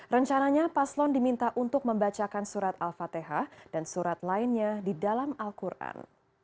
rencananya paslon diminta untuk membacakan surat al fatihah dan surat lainnya di dalam al quran